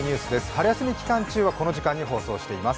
春休み期間中はこの時間に放送しています。